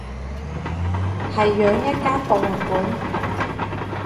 係養一間博物館